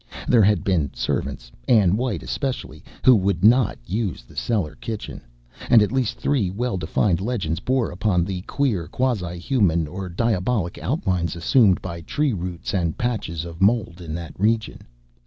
There had been servants Ann White especially who would not use the cellar kitchen, and at least three well defined legends bore upon the queer quasi human or diabolic outlines assumed by tree roots and patches of mold in that region.